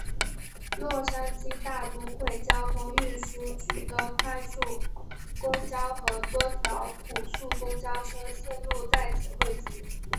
洛杉矶大都会交通运输局的快速公交和多条普速公交车线路在此汇集。